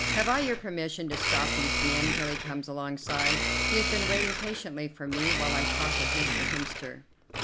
Have I your permission to stop these men till he comes alongside? He has been waiting patiently for me while I talked with Mr. Hemster."